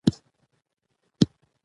زه اړتیا لرم چي درسونه ووایم